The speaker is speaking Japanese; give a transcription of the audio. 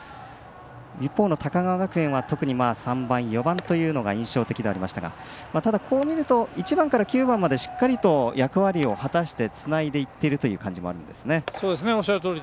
一方、高川学園は３番、４番というのが印象的でありましたがこう見ると１番から９番までしっかりと役割を果たしてつないでいってるという感じもあるんですね。